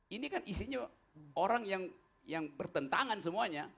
ini kan isinya orang yang bertentangan semuanya